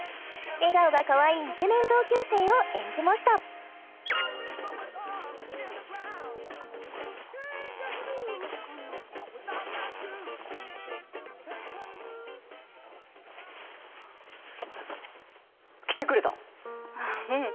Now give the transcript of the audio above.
笑顔がかわいいイケメン同級生を演じました来てくれたん？